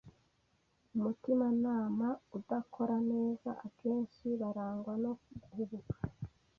umutimanama udakora neza. Akenshi barangwa no guhubuka,